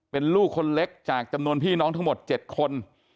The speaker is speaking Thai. เป็นลูกคนเล็กจากจำนวนพี่น้องทั้งหมด๗คน